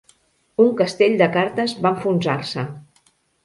Un castell de cartes va enfonsar-se